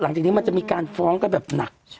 หลังจากนี้มันจะมีการฟ้องกันแบบหนัก